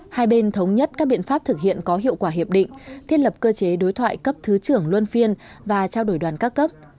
hai bên thống nhất các biện pháp thực hiện có hiệu quả hiệp định thiết lập cơ chế đối thoại cấp thứ trưởng luân phiên và trao đổi đoàn các cấp